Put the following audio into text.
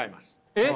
えっ？